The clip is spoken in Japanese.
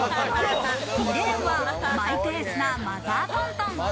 ２レーンはマイペースなマザートントン。